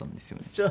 そう！